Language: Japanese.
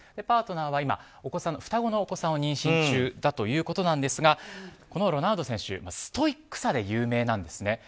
パートナーは双子のお子さんを妊娠中だということですがこのロナウド選手ストイックさで有名なんですね。